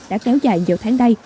đã kéo dài nhiều tháng đây